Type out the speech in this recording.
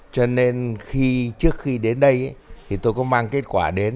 cho nên khi trước khi đến đây thì tôi có mang kết quả đến